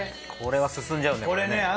これは進んじゃうねこれね。